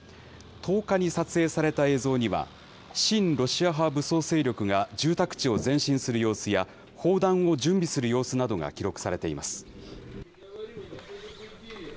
１０日に撮影された映像には、親ロシア派武装勢力が住宅地を前進する様子や、砲弾を準備する様子などが記録されています。